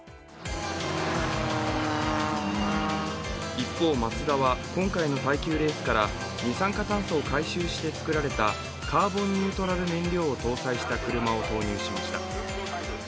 一方、マツダは今回の耐久レースから二酸化炭素を回収してカーボンニュートラル燃料を搭載した車を投入しました。